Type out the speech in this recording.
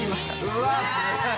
うわ！